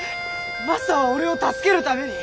マサは俺を助けるために。